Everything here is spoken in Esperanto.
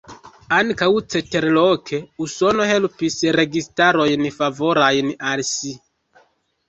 Ankaŭ ceterloke, Usono helpis registarojn favorajn al si.